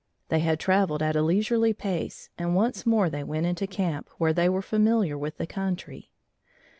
They had traveled at a leisurely pace and once more they went into camp, where they were familiar with the country.